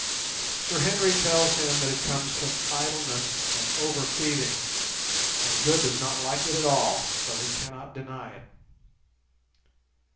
Sir Henry tells him that it comes from idleness and over feeding, and Good does not like it at all, though he cannot deny it.